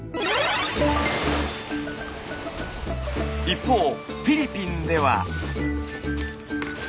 一方フィリピンでは。